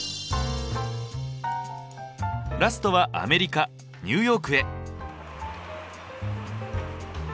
ラストはアメリカニューヨークへ。